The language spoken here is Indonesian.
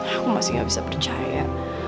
aku masih gak bisa percaya